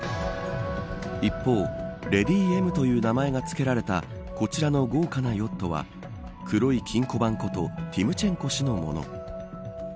一方、レディＭという名前がつけられたこちらの豪華なヨットは黒い金庫番ことティムチェンコ氏のもの。